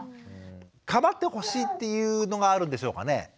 構ってほしいっていうのがあるんでしょうかね？